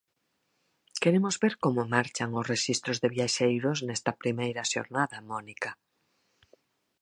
Queremos ver como marchan os rexistros de viaxeiros nesta primeira xornada, Mónica.